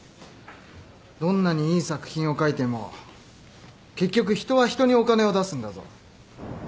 どんなにいい作品を書いても結局人は人にお金を出すんだぞ。